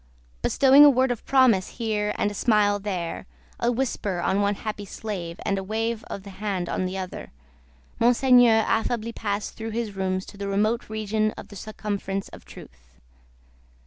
Bestowing a word of promise here and a smile there, a whisper on one happy slave and a wave of the hand on another, Monseigneur affably passed through his rooms to the remote region of the Circumference of Truth.